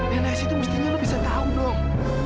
yang asli itu mestinya lo bisa tahu dong